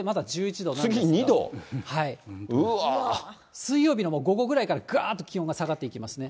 水曜日の午後ぐらいからがーっと気温が下がっていきますね。